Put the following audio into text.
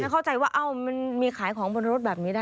เข้าใจว่ามันมีขายของบนรถแบบนี้ได้